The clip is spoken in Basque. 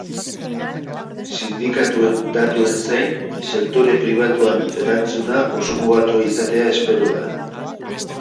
Sindikatuen datuen zain, sektore pribatuan erantzuna oso mugatua izatea espero da.